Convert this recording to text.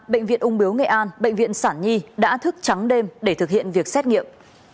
bệnh viện ung biếu nghệ an bệnh viện sản nhi đã thức trắng đêm để thực hiện việc xét nghiệm